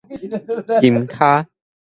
金跤